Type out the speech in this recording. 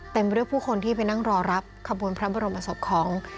ด้วยผู้คนที่ไปนั่งรอรับขบวนพระบรมศพของ